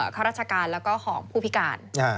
ข้าราชการแล้วก็ของผู้พิการ